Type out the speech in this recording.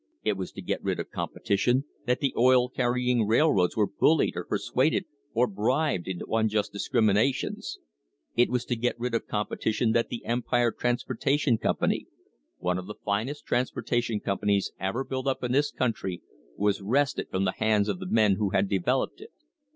It was to get rid of competition that the oil carry ing railroads were bullied or persuaded or bribed into un just discriminations. It was to get rid of competition that the Empire Transportation Company, one of the finest transpor tation companies ever built up in this country, was wrested THE HISTORY OF THE STANDARD OIL COMPANY from the hands of the men who had developed it.